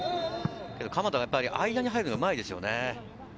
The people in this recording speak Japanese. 鎌田がやっぱり間に入るのがうまいですよね。